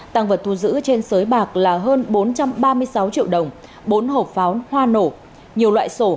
tăng vật thu giữ trên sới bạc là hơn bốn trăm ba mươi sáu triệu đồng bốn hộp pháo hoa nổ nhiều loại sổ